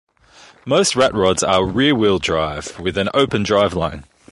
Most rat rods are rear-wheel drive, with an open driveline.